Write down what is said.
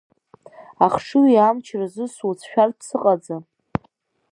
Ахшыҩи амчи рзы суцәшәартә сыҟаӡам.